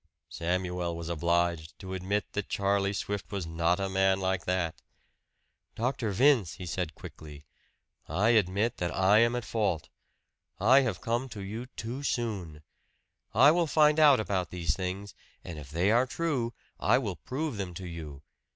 Samuel was obliged to admit that Charlie Swift was not a man like that. "Dr. Vince," he said quickly, "I admit that I am at fault. I have come to you too soon. I will find out about these things; and if they are true, I will prove them to you.